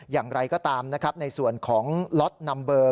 อย่างไรก็ตามนะครับในส่วนของล็อตนัมเบอร์